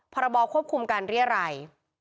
๒ภาระบวบคุมการเรี่ยไร